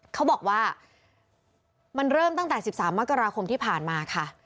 เขาบอกว่ามันเริ่มตั้งแต่๑๓มกราคมที่ผ่านมาค่ะ